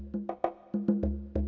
oh iya pak ubaidillah